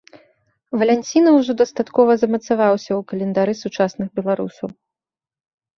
Валянціна ўжо дастаткова замацаваўся ў календары сучасных беларусаў.